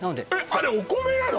あれお米なの！？